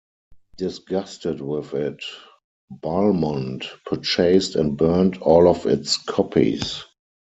Disgusted with it, Balmont purchased and burnt all of its copies.